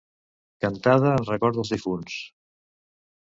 Cantada en record dels difunts.